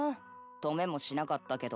止めもしなかったけど。